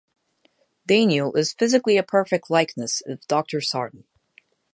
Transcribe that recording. Daneel is physically a perfect likeness of Doctor Sarton.